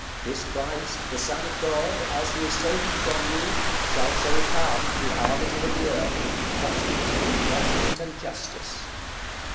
This Christ, the Son of God, as He is taken from you, shall so come, the arbiter of the earth, trusted to do judgment and justice."